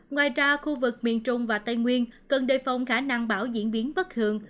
ngoài ra khu vực miền trung và tây nguyên cần đề phòng khả năng bão diễn biến bất thường